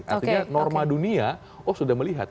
artinya norma dunia oh sudah melihat